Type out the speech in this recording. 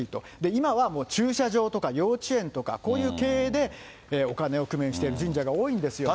今はもう駐車場とか幼稚園とか、こういう経営でお金を工面している神社が多いんですよと。